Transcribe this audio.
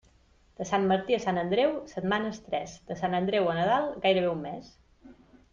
De Sant Martí a Sant Andreu, setmanes tres; de Sant Andreu a Nadal, gairebé un mes.